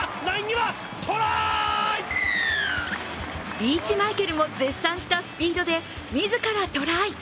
リーチマイケルも絶賛したスピードで、自らトライ。